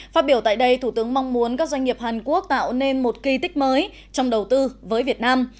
phát biểu tại đây thủ tướng mong muốn các doanh nghiệp hàn quốc tạo nên một kỳ tích mới trong đầu tư với việt nam